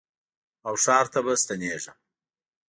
او ښار ته به ستنېږم